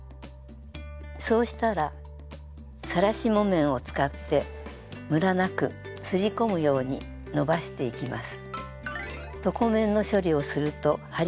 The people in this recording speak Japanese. そうしたらさらし木綿を使ってむらなくすり込むように伸ばしていきます。